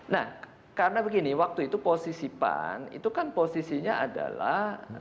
nah karena begini waktu itu posisi pan itu kan posisinya adalah